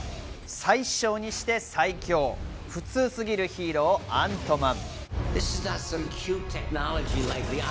最小にして最強、普通すぎるヒーロー、アントマン。